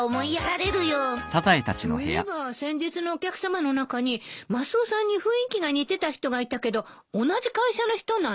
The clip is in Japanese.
そういえば先日のお客さまの中にマスオさんに雰囲気が似てた人がいたけど同じ会社の人なの？